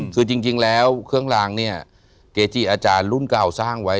คือจริงแล้วเครื่องรางเนี่ยเกจิอาจารย์รุ่นเก่าสร้างไว้